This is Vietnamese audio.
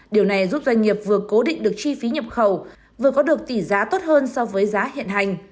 điều này giúp doanh nghiệp vừa cố định được chi phí nhập khẩu vừa có được tỷ giá tốt hơn so với giá hiện hành